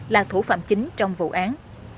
là thủ phạm chính trong vụ án